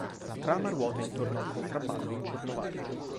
La trama ruota intorno al contrabbando in Cornovaglia.